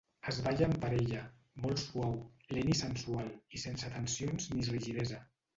Es balla amb parella, molt suau, lent i sensual, i sense tensions ni rigidesa.